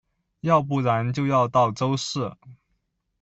要不然就要到周四